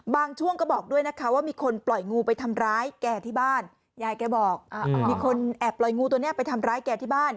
บางช่วงก็บอกด้วยนะคะว่ามีคนปล่อยงูไปทำร้ายแกที่บ้าน